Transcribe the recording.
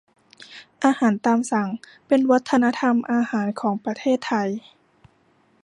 อาหารตามสั่ง เป็นวัฒนธรรมอาหารของประเทศไทย